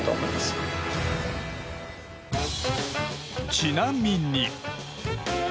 ちなみに。